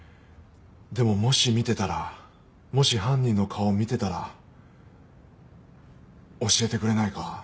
でももし見てたらもし犯人の顔を見てたら教えてくれないか？